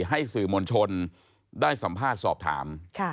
ให้สื่อมวลชนได้สัมภาษณ์สอบถาม